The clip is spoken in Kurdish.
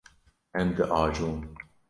Em diajon.